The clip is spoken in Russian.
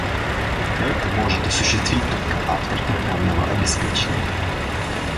Это может осуществить только автор программного обеспечения